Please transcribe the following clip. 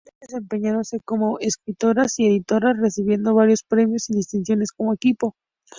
Continuaron desempeñándose como escritoras y editoras, recibiendo varios premios y distinciones como equipo.